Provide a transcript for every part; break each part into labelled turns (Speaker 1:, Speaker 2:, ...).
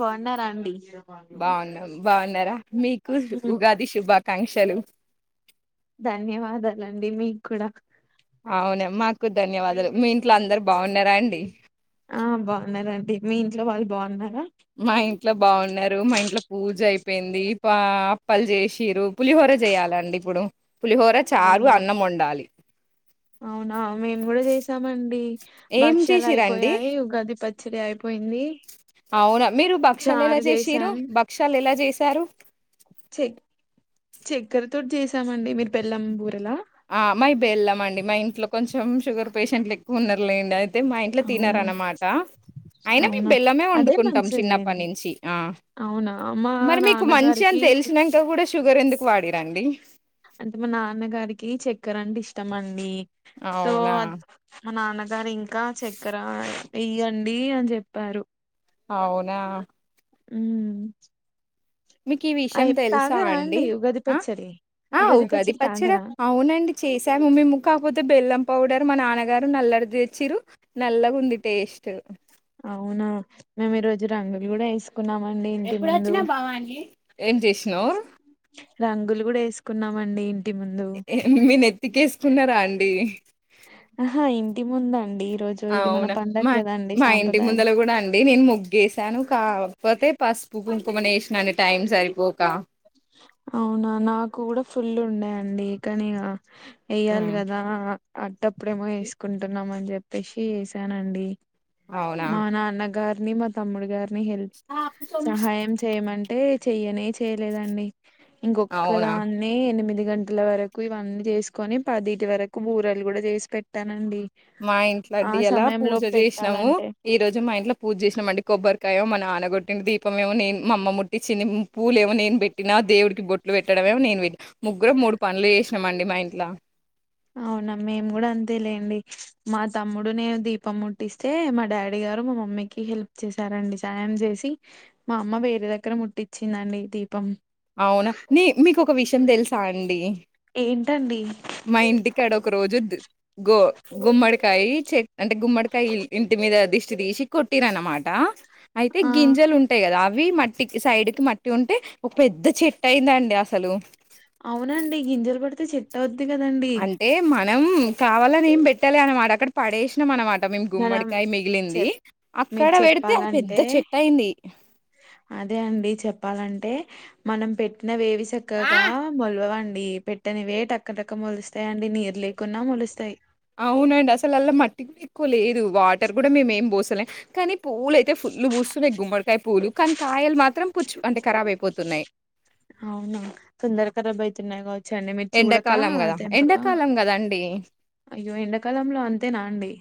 Speaker 1: బాగున్నారా అండి
Speaker 2: బాగున్నా బాగున్నారా మీకు
Speaker 1: ఉమ్,
Speaker 2: ఉగాది శుభాకాంక్షలు
Speaker 1: ధన్యవాదాలండి మీకు కూడా
Speaker 2: అవునా మాకు ధన్యవాదాలు మీ ఇంట్లో అందరు బాగున్నారా అండి
Speaker 1: ఆ బాగున్నారండి మీ ఇంట్లో వాళ్ళు బాగున్నారు
Speaker 2: మా ఇంట్లో బాగున్నారు మా ఇంట్లో పూజ అయిపో పోయింది పా అప్పలు చేసిరు పులిహోర చేయాలండి ఇప్పుడు పులిహోర చారు
Speaker 1: అవునా
Speaker 2: అన్నం వండాలి
Speaker 1: అవునా మేము కూడా చేసామండి
Speaker 2: ఏం
Speaker 1: భక్ష్యాలు
Speaker 2: చేసిరండి
Speaker 1: అయిపోయాయి గదిపతి సరయ
Speaker 2: అవునా మీరు భక్షాలు ఎలా
Speaker 1: చారు
Speaker 2: చేసిరు
Speaker 1: చేసాం
Speaker 2: భక్షలు ఎలా చేసి తారు
Speaker 1: చె చక్కర తోటి చేసామండి మీరు బేళ్ళంబూ
Speaker 2: ఆ మై బెళ్ళం అండి మా ఇంట్లో కొంచెం షుగర్ పేషెంట్లు ఎక్కువు ఉన్నారులే లేండి అది అ మా ఇంట్లో
Speaker 1: అవునా
Speaker 2: తినారనమాట అయిన మేము
Speaker 1: అవునా
Speaker 2: బెల్లమే
Speaker 1: అదే
Speaker 2: వండుకుంటాం చిన్నప్పటి
Speaker 1: మంచిదిలేండి
Speaker 2: నుంచి ఆ
Speaker 1: అవునా మా
Speaker 2: మరి మీకు మంచి అని
Speaker 1: నాన్నగారికి
Speaker 2: తెలిసినాక కూడా షుగర్ ఎందుకు వాడిరాండి
Speaker 1: అంటే మా నాన్నగారికి చక్కెర అంటే ఇష్టం అండి సో
Speaker 2: అవునా
Speaker 1: అ నాన్న దరిం కా చక్కర ఇయ్యండి అని చెప్పారు
Speaker 2: అవునా
Speaker 1: ఉ
Speaker 2: మీకు ఈ విషయం తెలుసా అండి
Speaker 1: ఉగాది పచ్చడి
Speaker 2: ఉగాది పచ్చడి అవునండి చేసాము మేము కాకపోతే బెల్లం పౌడర్ మా నాన్నగారు నల్లడిచ్చరు నల్లగా ఉంది టేస్ట్
Speaker 1: అవునా మేము ఈ రోజు రంగులు కూడా వేసి
Speaker 2: ఎప్పుడుొచ్చినా బవానీ ఏం చేసిన
Speaker 1: రంగులు కూడా వేసుకున్నామండి ముందు
Speaker 2: మీ నెతికేస్ కున్నారా అండి
Speaker 1: ఆహా ఇంటి ముందండి రోజు ఇది మన
Speaker 2: అవునా
Speaker 1: పండగ
Speaker 2: మా
Speaker 1: కదండి
Speaker 2: మా ఇంటి
Speaker 1: సాంప్రదాయం
Speaker 2: ముందలు కూడా అండి నేను మొగ్గసాను కాకపోతే పసుపు, కుంకుమని వేష్ణ టైం సరిపోక
Speaker 1: అవునా నాకు కూడా ఫుల్ ఉండేయండి కానీక వెయ్యాలి
Speaker 2: హ్మ్.
Speaker 1: కదా అడప్పుడేమో వేసుకుంటున్నామ అని చెప్పేసి వేసానండి
Speaker 2: అవునా
Speaker 1: మా నాన్నగారు నీ మ తమ్ముడి గారు హెల్ప్ సహాయం చేయమంటే చెయ్యనే చేయలేదండి
Speaker 2: అవునా
Speaker 1: ఇంకొక్కదాన్నీ ఎనిమిది పదింటి గంటల వరకు ఇవన్నీ చేసుకొని పదింటి వరకు బూరలు కూడా చేసి పెట్టానండి
Speaker 2: మా ఇంట్లో
Speaker 1: ఆ
Speaker 2: ఇయాల
Speaker 1: సమయంలో
Speaker 2: పూజ చేసినము
Speaker 1: పెట్టాలంటే
Speaker 2: ఈ రోజు మా ఇంట్లో పూజ చేసినామండి కొబ్బరికాయం మా నాన్న గొట్టిన్ను దీపమెమో నేను మా అమ్మ ముట్టిచ్చింది పూలు ఏమో నేను పెట్టినా దేవుడికి బొట్లు పెట్టడమేమో నేను పెట్ ముగ్గురం మూడు పనులు చేసి నమండి మా ఇంట్లో
Speaker 1: అవునా మేము కూడా అంతే లేండి మా తమ్ముడు నేను దీపం ముట్టిస్తే మా డాడీ గారు మా మమ్మీకి హెల్ప్ చేసారండి సాయం చేసి మా అమ్మ వేరే దగ్గర ముట్టిచ్చిందండి దీపం
Speaker 2: అవునా నీ మీకొక విషయం తెలుసా అండి
Speaker 1: ఏంటండి
Speaker 2: మా ఇంటికాడ ఒక రోజు దు గో గుమ్మడికాయి చె అంటే గుమ్మడికాయి ఇంటి మీద దిశ్ దీశిక్ కొటిరన్న మాట అయితే
Speaker 1: ఆ
Speaker 2: గింజలు ఉంటాయి కదా అవి మట్టికి సైడ్ కి మట్టి ఉంటే ఒక పెద్ద చెట్టు అయిందండి అసలు
Speaker 1: త అది కదండి
Speaker 2: మం కావాలని ఏం పెట్టాలి అనమాట అక్కడ పడేసినం అనమాట అ మేము
Speaker 1: మనం
Speaker 2: గుమ్మడికాయ
Speaker 1: చె
Speaker 2: మిగిలింది
Speaker 1: మీరు
Speaker 2: అక్కడ పెడితే అ పెద్ద
Speaker 1: చెప్పాలంటే
Speaker 2: చెట్ అయింది
Speaker 1: అంటే మనం పెట్టిన వేవి చెక్కగా మొల్వ వడి అడి పెట్టనివే టక్కటక్క మొలుస్తాయి అండి నీరు లేకుంన్నా మలుస్తాయి
Speaker 2: అవునండి అసలు అళ్లా మట్టి కూడా ఎక్కువ లేదు వాటర్ కూడా మేమ ఏం పోసలేం కానీ పూలు అయితే ఫుల్లు పూస్తున్నాయి గుమ్మడికాయ పూలు కానీ కాయలు మాత్రం పుచ్చు అంటే ఖరాబ్ అయిపోతున్నాయి
Speaker 1: అవునా తొందర కరబ్ అయితు నాగ
Speaker 2: ఎండాకాలం కదా ఎండాకాలం కదా అండి
Speaker 1: అయ్యో ఎండాకాలంలో అంతేనా అండి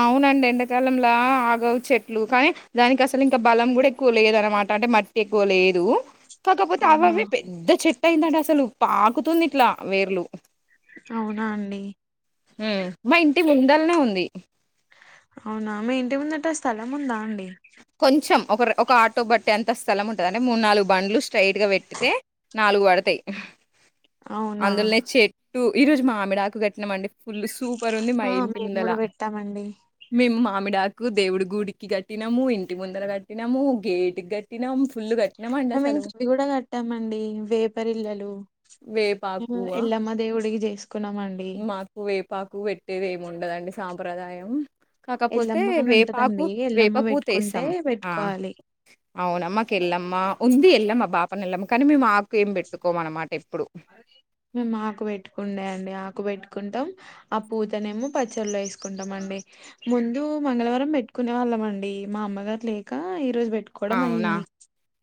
Speaker 2: అవునండి ఎండాకాలంలా ఆగవు చెట్లు కానీ దానికి అసలు ఇంకా బలం కూడా కూలియద అనమాటంటే మట్ ఎక్కువ లేదు కాకపోతే అవి
Speaker 1: అవునా
Speaker 2: అవి పెద్ద చెట్ యిందంటే అసలు పాకుతుంది ఇట్లా వేర్లు
Speaker 1: అవునా అండి
Speaker 2: మా ఇంటి ముందలనే ఉంది
Speaker 1: అవునా మ ఇంటి ముందట్టే ఆ స్థలం ఉందా అండి
Speaker 2: కొంచెం ఒకరు ఒక ఆటో బట్టి ఎంత స్థలం ఉంటుందింటే మూడు నాలుగు బండ్లు స్ట్రైట్ గా పెట్టితే నాలుగు పడతాయి
Speaker 1: అవునా
Speaker 2: ఆందోళన చె టూ ఈ రోజు మా ఆమెడ ఆకు కట్టినామండి ఫుల్ సూపర్ ఉంది మా
Speaker 1: ఆ
Speaker 2: ఇంటి
Speaker 1: మేము
Speaker 2: ముందల.
Speaker 1: కూడా పెట్టామండి
Speaker 2: మీమ్మ మామిడాకు దేవుడి గుడికి కట్టి. దినము ఇంటి ముందర కట్టినము గేటుఘట్
Speaker 1: ఇంకా మేం చిట్టి కూడా కట్టామండి. వేపరిళ్లలు మేము
Speaker 2: వేపాకువా
Speaker 1: ఎల్లమ్మ దేవుడికి చే కున్నామండి.
Speaker 2: పాకు పెట్టేదేముండదండి సాంప్రదాయం. కాకపోతే
Speaker 1: ఎల్లమ్మ అని ఉంటదండి
Speaker 2: వేపాకు వేప
Speaker 1: ఎల్లమ్మ
Speaker 2: పూత
Speaker 1: పెట్టుకుంటే
Speaker 2: వేస్తాం ఆ.
Speaker 1: పెట్టుకోవాలి
Speaker 2: అవునా మాకు ఎల్లమ్మ ఉంది ఎల్లమ్మ బాపన ఎల్లమ్మ కానీ మేము ఆకు ఏం పెట్టుకోమన్నమాట. ఎప్పుడు
Speaker 1: మేము ఆకు పెట్టుకుండే అండి ఆకు పెట్టు కుంటాం ఆ పూతనేమో పచ్చల్లో పచ్చళో వేసుకుంటామండీ ముందు మంగళవారం పెట్టుకునే వాళ్ళమండి మా అమ్మగారు లేక ఇ
Speaker 2: అవునా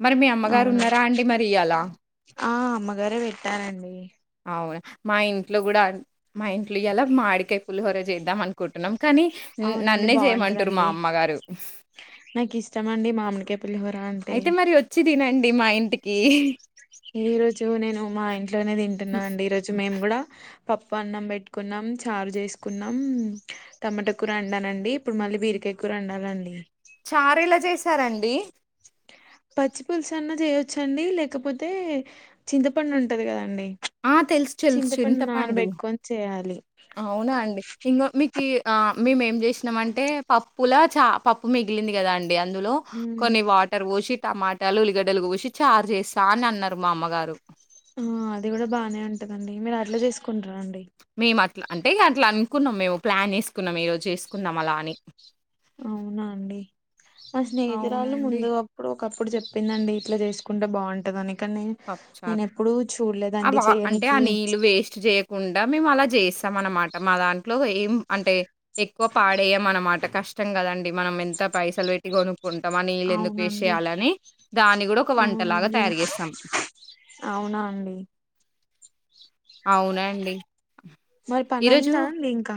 Speaker 2: మరె మీ అమ్మగారు
Speaker 1: అవునా
Speaker 2: ఉన్నారండి మరి ఇయ్యాల
Speaker 1: ఆ అమ్మగారే పెట్టారండి.
Speaker 2: అవునా మా ఇంట్లో కూడా మా ఇంట్లో ఇయాల మామిడికాయ పులిహోర చేద్దామనుకుంటున్నా. కుంటున్న కాని
Speaker 1: అవునండి
Speaker 2: నన్నే చేయమంటున్నారు మా
Speaker 1: బాగుంటదండి
Speaker 2: అమ్మ గారు.
Speaker 1: నాకు ఇష్టం అండి మామిడికాయ పులిహోర అంటే.
Speaker 2: తినండి మా ఇంటికి
Speaker 1: ఈరోజు నేను మా ఇంట్లోనే తింటున్నండి. ఈరోజు మేము కూడా పప్పు అన్నం పెట్టుకున్నాం చారు చేసుకున్నాం టమాటా కూర వండానండి ఇప్పుడు మళ్ళీ బీరకాయ కూర వండాలండి.
Speaker 2: డి.
Speaker 1: పచ్చి పులుసు అన్నా చేయొచ్చండి లేకపోతే చింతపండు ఉంటది కదండి.
Speaker 2: ఆ తెలుసు చెలుసు తెలుసు చింతపండు.
Speaker 1: నానబెట్టుకొని చేయాలి
Speaker 2: అవునా అండి ఇంగో మీక్ ఆ మేము ఏం చేశినం అంటే పప్పులా చ పప్పు మిగిలింది కదా అండి అందులో
Speaker 1: ఉమ్,
Speaker 2: కొన్ని వాటర్ పోశి టమాటాలు ఉల్లిగడ్డలు గోషి చారు చేస్తా అన్ని అన్నారు మా అమ్మగారు.
Speaker 1: ఆ అది కూడా బాగానే ఉంటదండి మీరు అట్లా చేసుకో
Speaker 2: మేము అట్లా అంటే ఇగా అట్లా అనుకున్నాం మేము. ప్లాన్ వేసుకున్నాం ఈరోజు చేసుకుందాం అలా అని.
Speaker 1: అవునా అండి మా స్నేహితురాళు
Speaker 2: అవునండి.
Speaker 1: ముందు గా అప్పుడు ఒకప్పుడు చెప్పిందండి ఇట్లా చేసుకుంటే బాగుంటద అని. కానీ నేను
Speaker 2: పప్పుచారు.
Speaker 1: ఎప్పుడూ
Speaker 2: ఆ
Speaker 1: చూడలేదండి
Speaker 2: వా
Speaker 1: చేయనికి.
Speaker 2: మేము అలా చేస్తాం అనమాట. మా దాంట్లో ఏం అంటే ఎక్కువ పాడేయం అనమాట కష్టం కదండి మనం ఎంత పైసలు పెట్టి కొనుక్ కుంటాం ఆ నీళ్ళు ఎందుకు వేస్ట్
Speaker 1: అవునండి
Speaker 2: చేయాలి ఆని దాని కూడా ఒక వంటలాగా
Speaker 1: అవునండి
Speaker 2: తయారు చేస్తాం.
Speaker 1: అవునా అండి.
Speaker 2: అవునాండి
Speaker 1: మరి పని
Speaker 2: ఈరోజు
Speaker 1: అయిందా అండి ఇంకా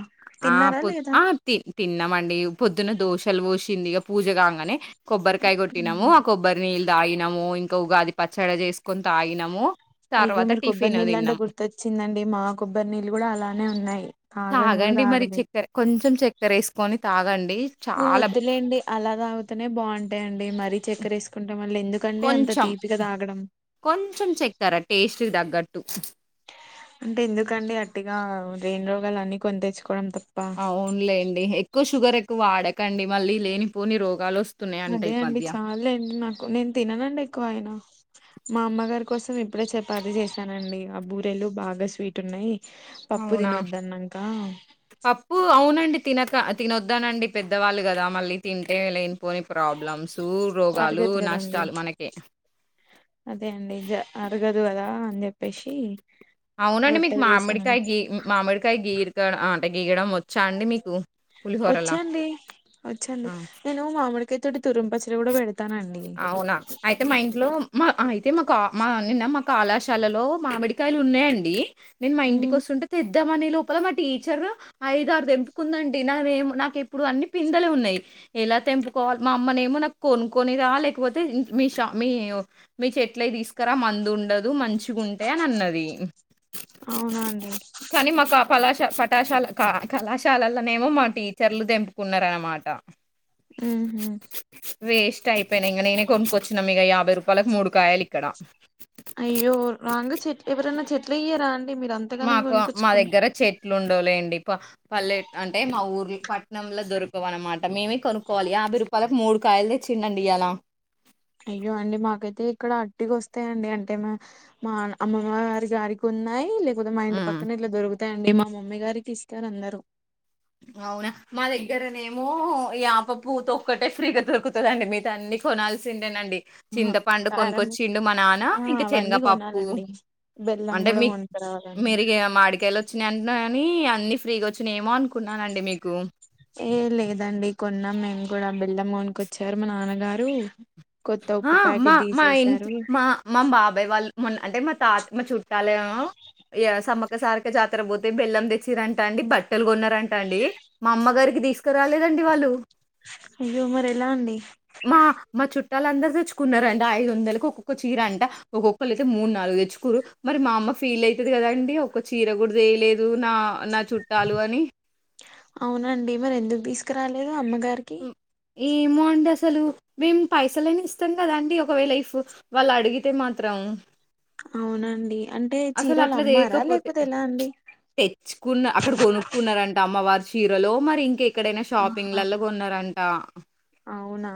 Speaker 2: ఆ
Speaker 1: తిన్నారా
Speaker 2: పొద్
Speaker 1: లేదా
Speaker 2: ఆ తి తిన్నామండి యే పొద్దున దోషలు పోశింది ఇగ పూజ గాంగనే కొబ్బరి కాయ గొట్టినము
Speaker 1: ఉహు.
Speaker 2: ఆ కొబ్బరి నీల్ తాగినము ఇంకా ఉగాది పచ్చడి జేసుకుని తాగినము
Speaker 1: అయ్యో మీరు కొబ్బరి నీల్లన్ట గుర్తోచ్ చిందండి మా కొబ్బరి నీళ్ళు గూడా అలానే ఉన్నాయి తాగను కూడా
Speaker 2: తాగండి మరి
Speaker 1: తాగలేదు
Speaker 2: చెక్కారు కొంచెం చెక్క క్కరేసుకొని తాగండి చాలా
Speaker 1: వద్దులేండి అలా తాగుతనే బాగుంటాయండి మరి చక్కరేసుకుంటే
Speaker 2: కొంచెం కొంచెం చెక్కర టేస్ట్ చి దగ్గట్టు
Speaker 1: అంటే ఎందుకండి అట్టిగా రెని రోగాల అని కొని తెచ్చుకోవడం తప్
Speaker 2: అవున్లేండి ఎక్కువ షుగర్ ఎక్కువ వాడక్ కండి మళ్ళీ లేనిపోని రోగాలు వస్తాయి
Speaker 1: అదే అండి చాలండి నాకు నేను తిననండి ఎక్కువ అయినా మా అమ్మగారికి కోసం ఇప్పుడే చపాతి చేశానండి ఆ బూరేలు బాగా స్వీట్ ఉన్నాయి పప్పు
Speaker 2: అవునా
Speaker 1: తినొద్దన్నాక
Speaker 2: పప్పు అవునండి తినక తినొద్దానండి పెద్దవాళ్ళు కదా మళ్ళీ తింటే లేని పోని ప్రాబ్లమ్స్ రోగాలు
Speaker 1: అరగదు కదండి
Speaker 2: నష్టాలు మనకే
Speaker 1: రగదు కదా అని చెప్పేసి
Speaker 2: అవునండి మీకు
Speaker 1: రొట్టెలు చేసానండి
Speaker 2: మామిడికాయ గీ మామిడికాయ గీ ఆంట గీగడం వచ్చ
Speaker 1: వచ్చాండి వచ్చాండి
Speaker 2: ఆ!
Speaker 1: నేను మామిడి టి తరుం పచ్చడి గూడా పె
Speaker 2: అవునా అయితే మా ఇంట్లో మా అయితే మాకు మా నిన్న మా కళాశాలలో మామిడికాయలు ఉన్నాయంండి నేను మా ఇంటికి
Speaker 1: ఉమ్
Speaker 2: వస్తుంటే తెద్ద ద్దమని లోపల మా టీచర్ ఐదు ఆరు తెంపుకుందండి నాేమో నాకు ఎప్పుడు అన్ని పిందలే ఉన్నాయి ఎలా తెంపుకోవాలి మా అమ్మనే ఏమో నాకు కొను కొన్ని రా లేకపోతే మీ ష మీ మీ చెట్లవి తీసుకురా మందు ఉండదు మంచిగా ఉంటాయి అని అన్నది
Speaker 1: అవునా అండి
Speaker 2: కనిమఖ పలాశ ప కశాల క కళాశాలలోనేమో మా టీచర్లు తెంపుకున్నార అనమాట
Speaker 1: ఊహు
Speaker 2: ఇ అయిపోయిన ఇంగ నేనే కొనుక్కొచ్చిన మ ఇక యాభై రూపాయలకు మూడు కాయలు ఇక్కడ
Speaker 1: అయ్యో రంగు చెట్లే ఎప్పురన్న చెట్లయ రాం
Speaker 2: మాకు మా దగ్గర చెట్లు ఉండవులేండి పల్లె అంటే మా ఊర్ పట్నంలో దొరకవ అన్నమాట మేమే కొనుక్కోవాలి యాభై రూపాయలకు మూడు కాయలు తెచ్చిండండి ఇలా
Speaker 1: అయ్యో అండి మాకైతే ఇక్కడ అటికి వస్తాయంండి అంటే మా మా అమ్మమ్మ గారి గారికి ఉన్నాయి లే మైం
Speaker 2: హ్మ్.
Speaker 1: పక్కన ఇ దర్గు అంతే అండి మా మమ్మీ గారికి ఇస్తారు అందరూ
Speaker 2: అవునా మా దగ్గరనేమో ఈ ఆప పూత ఒక్కటే ఫ్రీగా దొరుకుతుందండి మీత అన్ని కొనాల్సిందేనండి
Speaker 1: ఆహా
Speaker 2: చింతపండు
Speaker 1: కారం
Speaker 2: కొనుకొచ్చిండు మా నాన్న
Speaker 1: ఆ
Speaker 2: ఇంకా
Speaker 1: అవన్నీ
Speaker 2: శనగపప్పు
Speaker 1: కొనాలండి బెల్లం
Speaker 2: అంటే
Speaker 1: కూడా
Speaker 2: మీ
Speaker 1: కొనుకురావాలండి
Speaker 2: మీరు మాడికళ్ళ వచ్చిన అని అన్ని ఫ్రీగా వచ్చిన ఏమో అనుకున్నా కున్నానండి మీకు
Speaker 1: ఏ లేదండి కొన్నా మేము కూడా బిలామ్మోన్క వచ్చారు మా నాన్నగారు కొత్త
Speaker 2: ఆ
Speaker 1: ఉప్పు
Speaker 2: మా
Speaker 1: ప్యాకెట్
Speaker 2: మా ఇట్
Speaker 1: తీసేసారు
Speaker 2: మా మా బాబాయ్ వాళ్ళు మొన్న అంటే మా తాత్మ చుట్టాలేమో సమ్మక సారక జాతర పోతే బెల్లం తెచ్చిరంటాండి బట్టలు కొన్న అంటా అండి మా అమ్మగారి తీసుకురాలేదండి వాళ్ళు
Speaker 1: అయ్య ఉమర్ ఎలా అండి
Speaker 2: వాళ్ళ అందరుూ తెచ్చుకున్నండి ఐదు వందలకి ఒక్కొక్క చీర అంటే ఒక్కొక్కళ్రు అయితే మూడు నాలుగు తెచ్చుకోరు మరి మా అమ్మ ఫీల్ అవుతుంది కదాండి ఒక్క చీర కూడా వేయలేదు నా నా చుట్టాలు అని.
Speaker 1: అవునండి మరి ఎందుకు తీసుకు కా రాలే అమ్మగారికి
Speaker 2: హ్మ్. ఏమో అండి అసలు మేము పైసలని ఇస్తాం కదా అండి ఒక వేలా లైఫ్ వాళ్ళు అడిగితే మాత్రం
Speaker 1: అవునండి అంటే
Speaker 2: అసలు
Speaker 1: చీరలు
Speaker 2: అట్లా
Speaker 1: అమ్మారా
Speaker 2: తెయకపోతే
Speaker 1: లేకపోతే ఎలా అండి
Speaker 2: తెచ్చుకున్న అక్కడ కొనుక్కున్నారంటే అమ్మవారు చీరలో మరి ఇంక ఎక్కడైనా షాపింగ్
Speaker 1: ఆహా
Speaker 2: లలో కొన్నారంట
Speaker 1: ఆ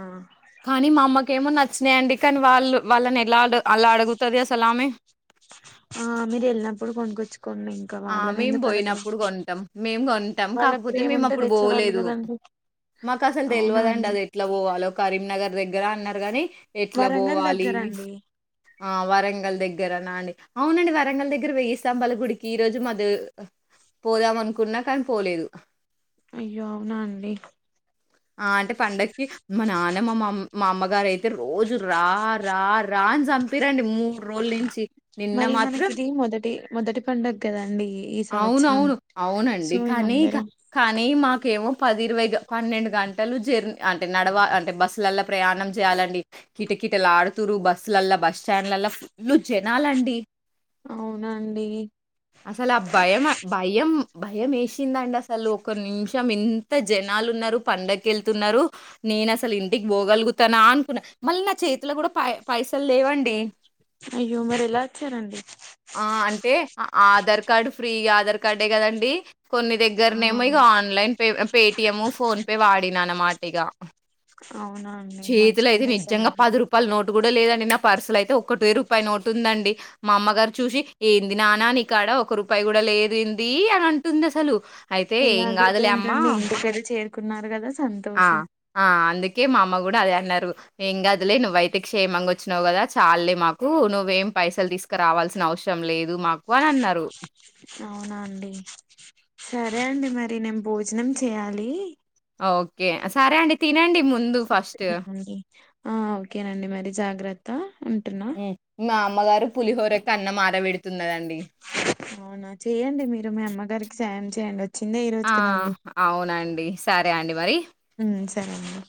Speaker 2: కాాని మమా క ఏమ నచ్చినాయండి కానీ వాళ్ళు వాళ్ళని ఎలా అలా అడుగుతుది అసలుమెే
Speaker 1: ఆ మీరు వెళ్ళినప్పుడు కొనుకొచ్చు
Speaker 2: ఆ మేము పోయినప్పుడు కొంటాం మేము కొంటాం
Speaker 1: వాళ్ళకి
Speaker 2: కాకపోతే
Speaker 1: ప్రేమ
Speaker 2: మేము
Speaker 1: ఉంటే
Speaker 2: అప్పుడు
Speaker 1: తెచ్చేవాళ్ళు
Speaker 2: పోవలేదు
Speaker 1: కదండి
Speaker 2: మాకు అసలు
Speaker 1: అవునా
Speaker 2: తెలియదండి
Speaker 1: అండి
Speaker 2: అది ఎట్లా పోవాలో కరీంనగర్ దగ్గర దగ్గర అన్నారు గాని ఎట్లా
Speaker 1: వరంగల్
Speaker 2: పోవాలి
Speaker 1: దగ్గర అండి
Speaker 2: ఆ వరంగల్ దగ్గరనా అండి అవునండి వరంగల్ దగ్గర వెేయిస్తాంబాల గుడికి ఈ రోజు మద పోదాం అనుకున్నా కానీ పోలేదు
Speaker 1: అయ్యో అవునా అండి
Speaker 2: ఆ అంటే పండగకి మా నాన్న మా మా అమ్మగారు అయితే రోజు రా రా రా అని చంపిరండి మూడు రోజుల నుంచి నిన్న
Speaker 1: మరి మనకి
Speaker 2: మాత్రం
Speaker 1: ఇది మొదటి మొదటి పండుగ కదండి. ఈ సంవత్సరం
Speaker 2: అవునవును
Speaker 1: సో
Speaker 2: అవునండి.
Speaker 1: ఇగ
Speaker 2: కానీ
Speaker 1: అందరూ
Speaker 2: కానీ మాకేమో పది ఇరవై పన్నెండు గంటలు జర్నీ అంటే నడవా అంటే బస్సుల్లాల ప్రయాణం చేయాలండి. కిటకిీటలు ఆడుతుర్రు. బస్సులల్లా, బస్ స్టాండ్లల్లా ఫుల్ జనాలండి.
Speaker 1: అవునండి.
Speaker 2: అసలా భయం భయం భయం వేసిందండి. అసలు ఒక నిమిషం ఇంత జనాలు ఉన్నారు పండక్కి వెళ్తున్నారు. నేను అసలు ఇంటికి పోగలుగుతానా అనుకున్నా మళ్ళీ నా చేతిలో కూడా పై పైసలు లేవండి.
Speaker 1: అయ్యో మరి ఎలా వచ్చారండి.
Speaker 2: ఆ అంటే ఆధార్ కార్డు ఫ్రీగా ఆధార్ కార్డే కదండి. కొన్ని
Speaker 1: ఆ
Speaker 2: దగ్గరనేమో ఇగా online pay Paytm, PhonePe వాడిన అనమాట ఇగా
Speaker 1: అవునా అండి. మంచి పని చేశారండి.
Speaker 2: కూడా లేదండి. నా పార్సల్ అయితే ఒకటే రూపాయి నోట్ ఉందండి. మా అమ్మగారు చూసి ఏంది. నాన్న నీకాడ ఒక రూపాయి కూడా లేదంది. అని అంటుంది. అసలు
Speaker 1: ఎలాగైతే ఏంటండి. ఇంటికైతే చేరు కున్నారు కదా
Speaker 2: ఆ
Speaker 1: సంతోషం
Speaker 2: ఆ అందు ఓకే మా అమ్మ కూడా అదే అన్నారు. ఏమ్ కాదు లే నువ్వు వైతే క్షేమంగా వచ్చినావు కదా చాల్లే మాకు నువ్వేం పైసలు తీసుకురావాల్సిన అవసరం లేదు. మాకు అని అన్నారు.
Speaker 1: అవునాండి. సరే అండి. మరి నేను భోజనం చేయాలి.
Speaker 2: ఓకే సరే అండి తినండి. ముందు ఫస్ట్.
Speaker 1: ఆ ఓకేనండి మరి జాగ్రత్త ఉంటున్నా
Speaker 2: అమ్మాగారు పూలిహోరతే అన్నం ఆరాబేడు
Speaker 1: అవునా చేయండి మీరు మీ అమ్మగారికి సహాయం చేయండి. వచ్చిందే ఈ రోజు
Speaker 2: ఆ
Speaker 1: కదండి
Speaker 2: అవునండి సర్ అండి మరి
Speaker 1: హ్మ్ సరే అండి.